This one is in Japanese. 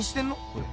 これ。